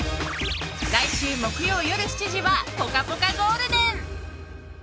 来週木曜夜７時は「ぽかぽかゴールデン」！